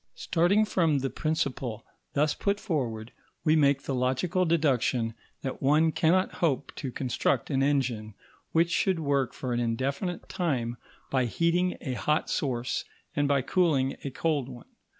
Starting from the principle thus put forward, we make the logical deduction that one cannot hope to construct an engine which should work for an indefinite time by heating a hot source and by cooling a cold one.